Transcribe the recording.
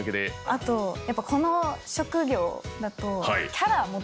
あとやっぱこの職業だと。